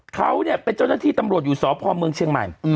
เขาเนี่ยเป็นเจ้าหน้าที่ตำรวจอยู่สพเมืองเชียงใหม่